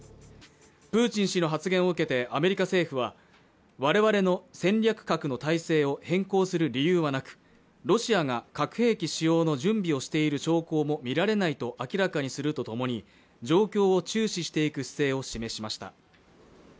プーチン氏の発言を受けてアメリカ政府は我々の戦略核の体制を変更する理由はなく、ロシアが核兵器使用の準備をしている兆候も見られないと明らかにするとともに状況を注視していく姿勢を示しました。